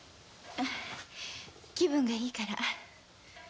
ええ気分がいいから。